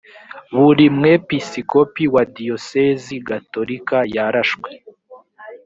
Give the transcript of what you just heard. buri mwepisicopi wa diyosezi gatolika yarashwe